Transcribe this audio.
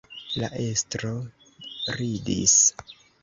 La estro ridis.